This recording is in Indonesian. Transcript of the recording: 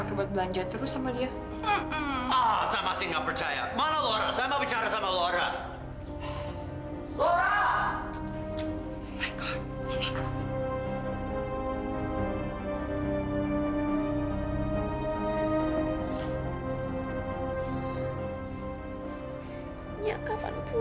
gue dari nanya